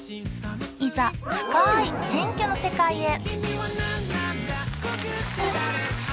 いざ深い選挙の世界へ。